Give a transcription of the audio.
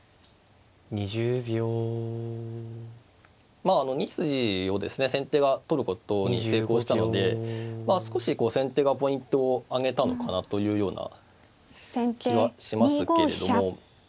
まああの２筋をですね先手が取ることに成功したので少し先手がポイントをあげたのかなというような気はしますけれども。